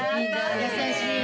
優しい。